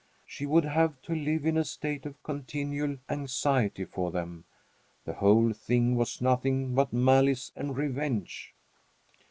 She would have to live in a state of continual anxiety for them. The whole thing was nothing but malice and revenge!